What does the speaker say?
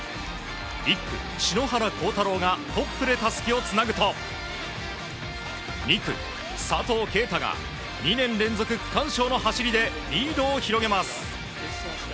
１区、篠原倖太朗がトップでたすきをつなぐと２区、佐藤圭汰が２年連続区間賞の走りでリードを広げます。